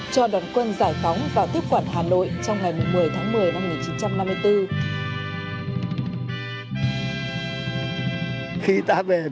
cho đoàn quân giải phóng